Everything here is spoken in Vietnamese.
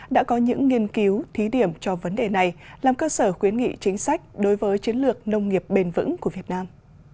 đã có những nghiên cứu thí điểm cho vấn đề này làm cơ sở khuyến nghị chính sách đối với chiến lược nông nghiệp bền vững của việt nam